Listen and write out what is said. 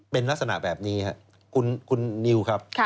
เป็นลักษณะแบบนี้ครับคุณนิวครับ